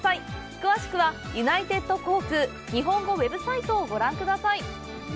詳しくは、ユナイテッド航空日本語ウェブサイトをご覧ください。